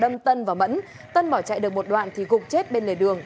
đâm tân và mẫn tân bỏ chạy được một đoạn thì gục chết bên lề đường